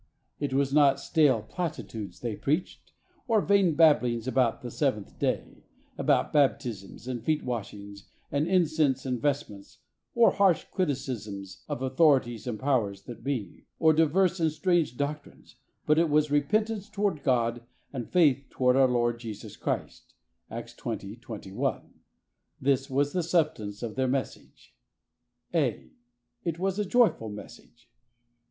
It was not stale platitudes they preached, or vain babblings about the Seventh Day, about baptisms and feet washings and in cense and vestments, or harsh criticisms of authorities and "powers that be," or divers and strange doctrines, but it was "repent ance toward God, and faith toward our Lord Jesus Christ." (Acts 20: 21.) This was the substance of their message. (a) It was a joyful message.